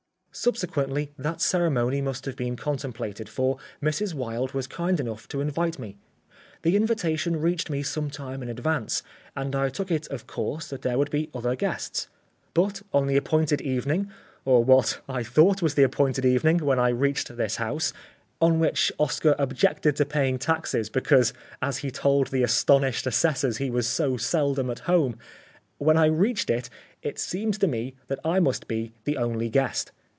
Subsequently that ceremony must have been contemplated, for Mrs. Wilde was kind enough to invite me. The invitation reached me sometime in advance and I took it of course that there would be other guests. But on the appointed evening, or what I thought was the appointed evening, when I reached this house on which Oscar objected to paying taxes because, as he told the astonished assessors, he was so seldom at home when I reached it, it seemed to me that I must be the only guest.